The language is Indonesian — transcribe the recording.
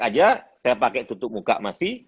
aja saya pakai tutup muka masih